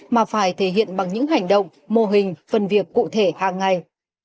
mà phải thể hiện bằng những hành động mô hình phần việc cụ thể hàng ngày